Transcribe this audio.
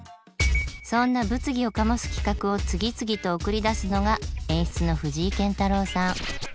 そんな物議を醸す企画を次々と送り出すのが演出の藤井健太郎さん。